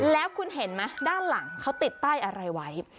แล้วคุณเห็นไหมด้านหลังเขาติดป้ายอะไรไว้